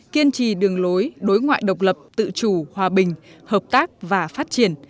kiên trì đường lối đối ngoại độc lập tự chủ hòa bình hợp tác và phát triển